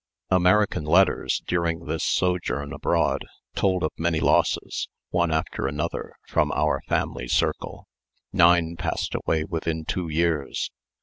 American letters, during this sojourn abroad, told of many losses, one after another, from our family circle; nine passed away within two years.